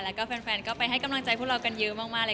แล้วก็แฟนก็ไปให้กำลังใจพวกเรากันเยอะมากเลย